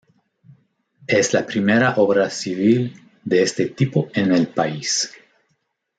Es la primera obra civil de este tipo en el país.